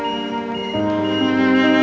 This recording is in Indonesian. bagaimana kondisi saya vicu